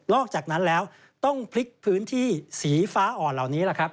อกจากนั้นแล้วต้องพลิกพื้นที่สีฟ้าอ่อนเหล่านี้แหละครับ